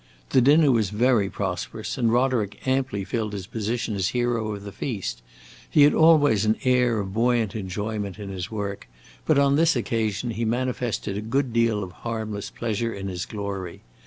The dinner was very prosperous and Roderick amply filled his position as hero of the feast. He had always an air of buoyant enjoyment in his work, but on this occasion he manifested a good deal of harmless pleasure in his glory.